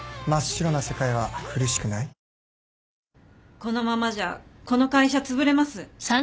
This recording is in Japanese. このままじゃこの会社つぶれます。